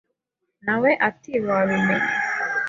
Na we ati Wabimenye